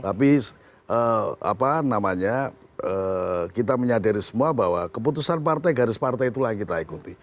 tapi apa namanya kita menyadari semua bahwa keputusan partai garis partai itulah yang kita ikuti